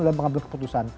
oleh pengambil keputusan